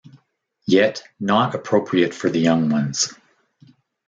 Yet, not appropriate for the young ones.